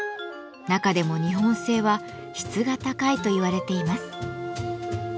中でも日本製は質が高いと言われています。